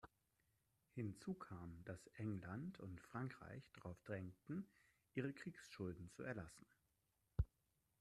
Hinzu kam, dass England und Frankreich darauf drängten ihre Kriegsschulden zu erlassen.